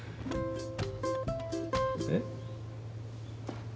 えっ？